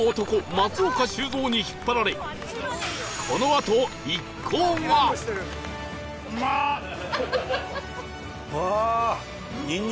松岡修造に引っ張られこのあと一行がああ。